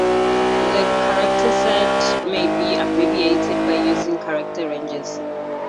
The character set may be abbreviated by using character ranges.